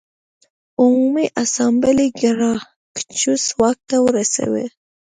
عمومي اسامبلې ګراکچوس واک ته ورساوه